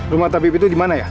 rumah tabib itu di mana ya